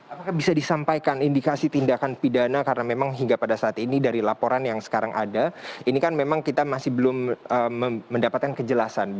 apakah bisa disampaikan indikasi tindakan pidana karena memang hingga pada saat ini dari laporan yang sekarang ada ini kan memang kita masih belum mendapatkan kejelasan